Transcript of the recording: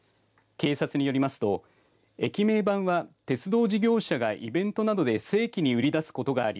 警察によりますと駅名板は鉄道事業者がイベントなどで正規に売りだすことがあり